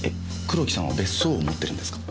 黒木さんは別荘を持ってるんですか？